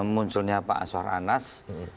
munculnya pak aswar anas